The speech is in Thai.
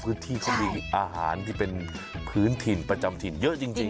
พื้นที่เขามีอาหารที่เป็นพื้นถิ่นประจำถิ่นเยอะจริง